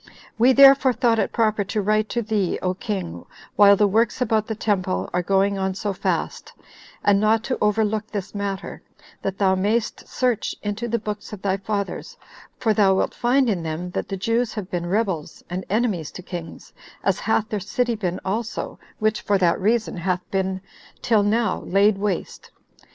We therefore thought it proper to write to thee, O king, while the works about the temple are going on so fast, and not to overlook this matter, that thou mayst search into the books of thy fathers, for thou wilt find in them that the Jews have been rebels, and enemies to kings, as hath their city been also, which, for that reason, hath been till now laid waste.